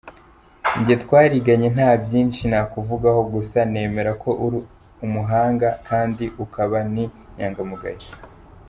jye twariganye nta byinshi nakuvugaho gusa nemera ko uri umuhanga kandi ukaba n' inyangamugayo.